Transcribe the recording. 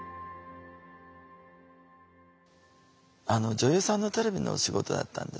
女優さんのテレビのお仕事だったんです。